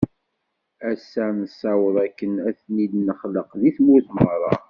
Ass-a, nessaweḍ akken ad ten-id-nexlaq di tmurt merra.